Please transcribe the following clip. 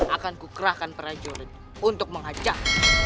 akan kukerahkan perancunan untuk menghajar